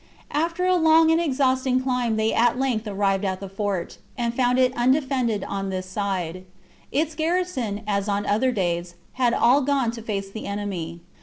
After a long and exhausting climb they at length arrived at the fort, and found it undefended on this side; its garrison, as on other days, 226 THE JUGURTHINE WAR. CHAP, had all gone to face the enemy.